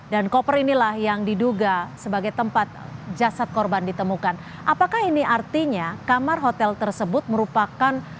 dan koper inilah yang diduga sebagai tempat jasad korban ditemukan apakah ini artinya kamar hotel tersebut merupakan